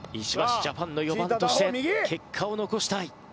ジャパンの４番として結果を残したい。